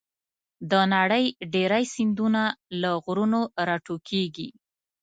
د نړۍ ډېری سیندونه له غرونو راټوکېږي.